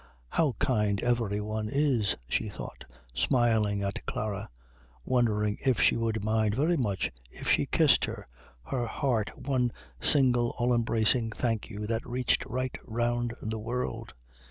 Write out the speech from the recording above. "How kind every one is!" she thought, smiling at Klara, wondering if she would mind very much if she kissed her, her heart one single all embracing Thank you that reached right round the world.